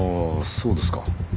そうですか。